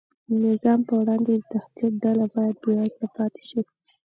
د نظام پر وړاندې د تهدید ډله باید بېوزله پاتې شي.